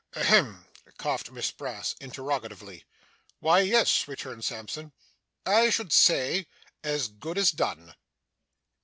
'Ahem!' coughed Miss Brass interrogatively. 'Why, yes,' returned Sampson, 'I should say as good as done.